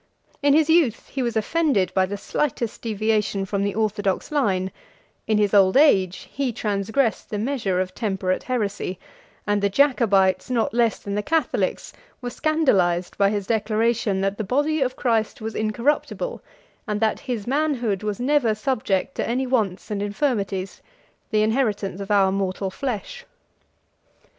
In his youth he was offended by the slightest deviation from the orthodox line; in his old age he transgressed the measure of temperate heresy, and the Jacobites, not less than the Catholics, were scandalized by his declaration, that the body of Christ was incorruptible, and that his manhood was never subject to any wants and infirmities, the inheritance of our mortal flesh.